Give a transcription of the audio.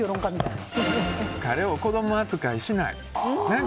彼を子供扱いしない。